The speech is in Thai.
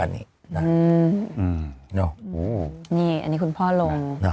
อันนี้คุณพ่อลง